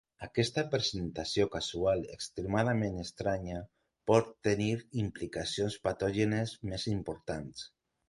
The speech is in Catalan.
Aquesta presentació casual extremadament estranya pot tenir implicacions patògenes més importants.